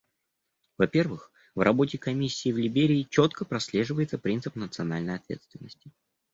Во-первых, в работе Комиссии в Либерии четко прослеживается принцип национальной ответственности.